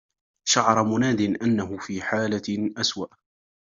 شعر منّاد أنّه في حالة أسوء.